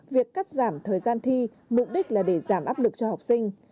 việc cắt giảm thời gian thi mục đích là để giảm áp lực cho học sinh